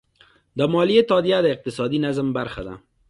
د مالیې تادیه د اقتصادي نظم برخه ده.